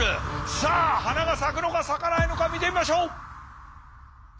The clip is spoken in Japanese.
さあ花が咲くのか咲かないのか見てみましょう。